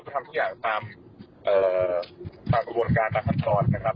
ก็ทำทุกอย่างตามตามประบวนการตามคันตรอนนะครับ